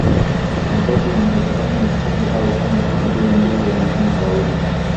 Mavazi yanayotokana na kitenge au khanga siku hiyo ndio huonekana kwa wingi